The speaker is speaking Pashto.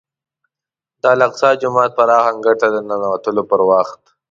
د الاقصی جومات پراخ انګړ ته د ننوتلو پر وخت.